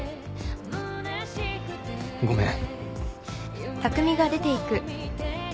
ごめん。